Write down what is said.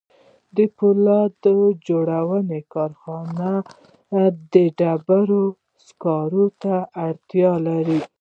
د پولاد جوړونې کارخانه د ډبرو سکارو ته اړتیا لري